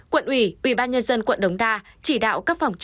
quận ủy ubnd quận đồng đa chỉ đạo các phòng trợ